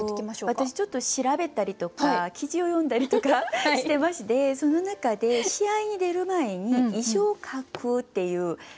私ちょっと調べたりとか記事を読んだりとかしてましてその中で試合に出る前に遺書を書くっていう。